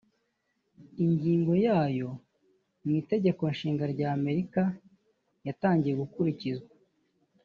Ingingo ya yo mu itegeko nshinga rya Amerika yatangiye gukurikizwa